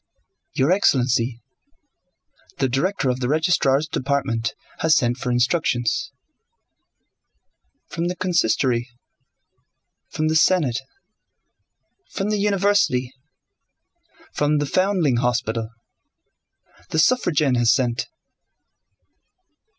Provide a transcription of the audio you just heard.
"Your excellency, the Director of the Registrar's Department has sent for instructions.... From the Consistory, from the Senate, from the University, from the Foundling Hospital, the Suffragan has sent...